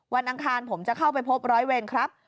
อังคารผมจะเข้าไปพบร้อยเวรครับ